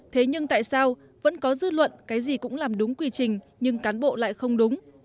thế nhưng tại sao vẫn có dư luận cái gì cũng làm đúng quy trình nhưng cán bộ lại không đúng